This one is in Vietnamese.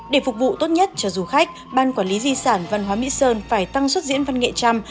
để phục vụ tốt nhất cho du khách ban quản lý di sản văn hóa mỹ sơn phải tăng xuất diễn văn nghệ trăm